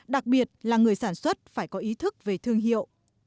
đặc biệt là người sản xuất phải có ý thức về thương hiệu